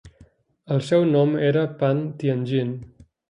El seu nom era Pan Tianjin.